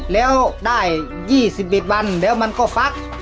แล้วได้ยี่สิบบิดบันแล้วมันก็ฟัก